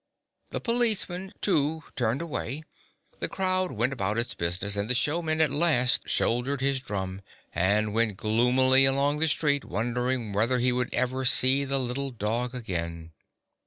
The policeman, too, turned away; the crowd went about its busi ness, and the showman at last shouldered his drum, and went gloomily along the street won dering whether he should ever see the little dog again.